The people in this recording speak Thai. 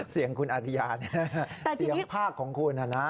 เสียงคุณอธิยาเนี่ยเสียงภาคของคุณนะ